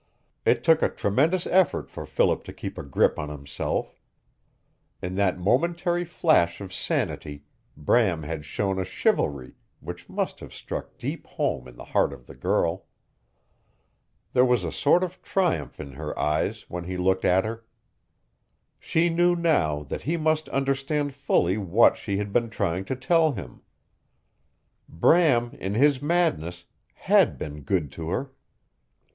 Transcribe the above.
It took a tremendous effort for Philip to keep a grip on himself. In that momentary flash of sanity Bram had shown a chivalry which must have struck deep home in the heart of the girl. There was a sort of triumph in her eyes when he looked at her. She knew now that he must understand fully what she had been trying to tell him. Bram, in his madness, had been good to her.